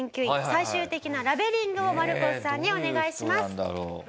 最終的なラベリングをマルコスさんにお願いします。